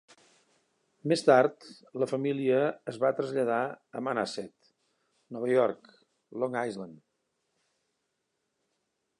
Més tard, la família es va traslladar a Manhasset, Nova York, Long Island.